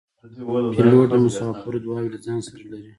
پیلوټ د مسافرو دعاوې له ځان سره لري.